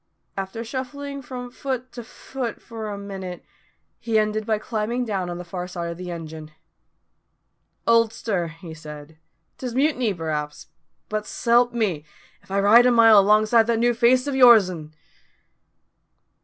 After shuffling from foot to foot for a minute, he ended by climbing down on the far side of the engine. "Oldster," he said, "'tis mutiny p'raps; but s'help me, if I ride a mile longside that new face o' your'n!"